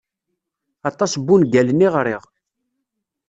Aṭas n wungalen i ɣriɣ.